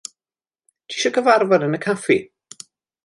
Tisio cyfarfod yn y caffi?